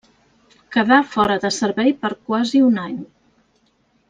Quedà fora de servei per quasi un any.